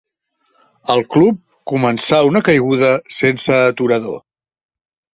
El club començà una caiguda sense aturador.